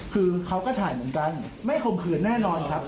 คือเขาก็ถ่ายเหมือนกันไม่ข่มขืนแน่นอนครับ